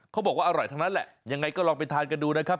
เขาบอกว่าอร่อยทั้งนั้นแหละยังไงก็ลองไปทานกันดูนะครับ